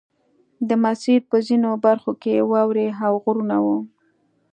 د مسیر په ځینو برخو کې واورې او غرونه وو